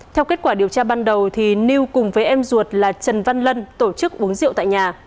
theo kết quả điều tra ban đầu new cùng với em ruột là trần văn lân tổ chức uống rượu tại nhà